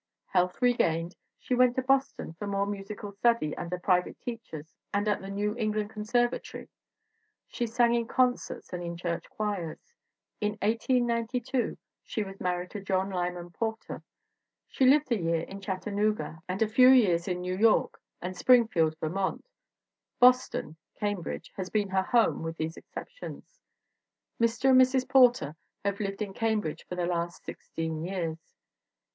Health regained, she went to Boston for more musical study under private teachers and at the New England Conservatory. She sang in concerts and in church choirs. In 1892 she was married to John Lyman Porter. She lived a year in Chattanooga and a few years in New York and Springfield, Ver mont; Boston (Cambridge) has been her home with these exceptions. Mr. and Mrs. Porter have lived in Cambridge for the last sixteen years.